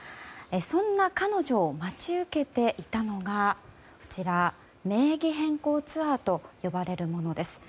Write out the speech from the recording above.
そんな彼女を待ち受けていたのが名義変更ツアーと呼ばれるものです。